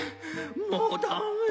もうダメ。